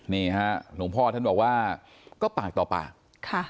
นี่ฮะหลวงพ่อท่านบอกว่าก็ปากต่อปากค่ะ